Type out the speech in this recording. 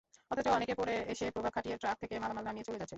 অথচ অনেকে পরে এসে প্রভাব খাটিয়ে ট্রাক থেকে মালামাল নামিয়ে চলে যাচ্ছেন।